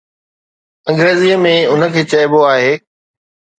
انگريزيءَ ۾ ان کي چئبو آهي